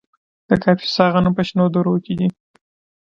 د کاپیسا غنم په شنو درو کې دي.